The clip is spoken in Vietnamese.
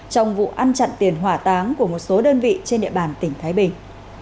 trong vụ ăn chặn tiền hỏa táng của một số đơn vị trên địa bàn tỉnh thái bình